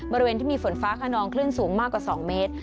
บริเวณที่มีฝนฟ้าขนองคลื่นสูงมากกว่า๒เมตร